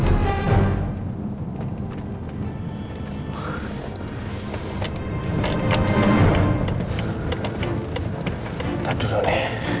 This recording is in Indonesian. salah gak apa yang gue lakukan ini